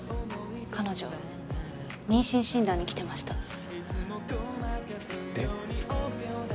彼女妊娠診断に来てました。